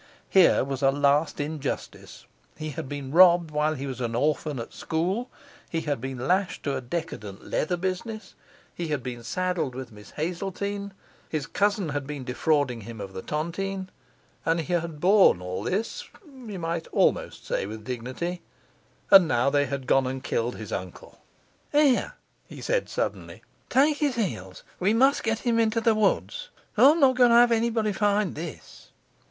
Here was a last injustice; he had been robbed while he was an orphan at school, he had been lashed to a decadent leather business, he had been saddled with Miss Hazeltine, his cousin had been defrauding him of the tontine, and he had borne all this, we might almost say, with dignity, and now they had gone and killed his uncle! 'Here!' he said suddenly, 'take his heels, we must get him into the woods. I'm not going to have anybody find this.